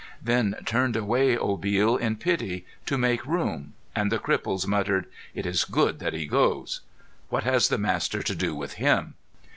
Then turned away Obil in pity, to make room, and the cripples muttered, "It is good that he goes! What has the Master to do with him!"